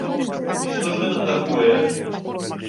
І што ж гэта такое?